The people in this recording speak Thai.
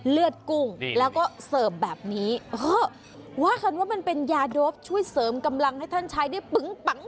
เลือดกุ้งแล้วก็เสิร์ฟแบบนี้เออว่ากันว่ามันเป็นยาโดปช่วยเสริมกำลังให้ท่านใช้ได้ปึงปัง